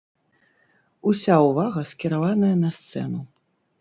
Уся ўвага скіраваная на сцэну.